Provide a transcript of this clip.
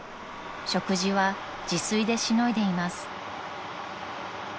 ［食事は自炊でしのいでいます］